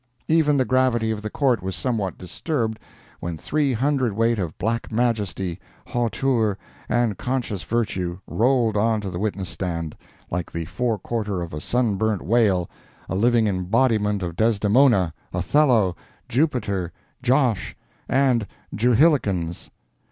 Even the gravity of the Court was somewhat disturbed when three hundred weight of black majesty, hauteur, and conscious virtue, rolled on to the witness stand, like the fore quarter of a sunburnt whale, a living embodiment of Desdemona, Othello, Jupiter, Josh, and Jewhilikens.